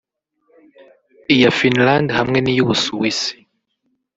iya Finlande hamwe n’iy’Ubusuwisi